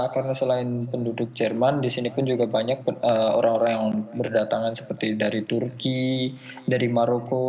karena selain penduduk jerman di sini pun juga banyak orang orang yang berdatangan seperti dari turki dari maroko